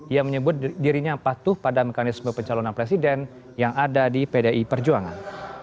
ia menyebut dirinya patuh pada mekanisme pencalonan presiden yang ada di pdi perjuangan